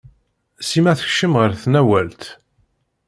Sima tekcem ɣer tnawalt.